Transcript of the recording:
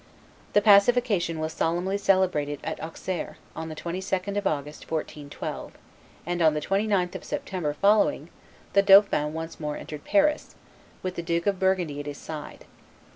The pacification was solemnly celebrated at Auxerre, on the 22d of August, 1412; and on the 29th of September following, the dauphin once more entered Paris, with the Duke of Burgundy at his side.